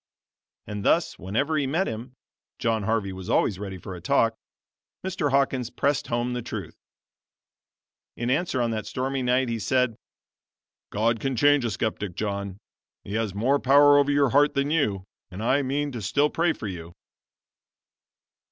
And thus whenever he met him (John Harvey was always ready for a "talk,") Mr. Hawkins pressed home the truth. In answer, on that stormy night, he said: "God can change a skeptic, John. He has more power over your heart than you, and I mean still to pray for you."